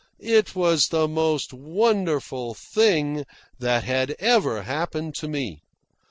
It was the most wonderful thing that had ever happened to me.